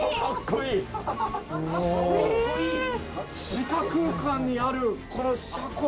地下空間にあるこの車庫。